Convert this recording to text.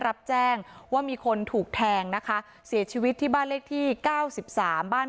รับแจ้งว่ามีคนถูกแทงนะคะเสียชีวิตที่บ้านเลขที่เก้าสิบสามบ้าน